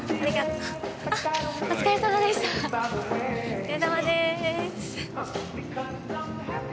お疲れさまです。